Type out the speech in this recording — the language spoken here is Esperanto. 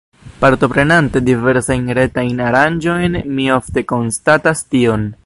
Partoprenante diversajn retajn aranĝojn, mi ofte konstatas tion.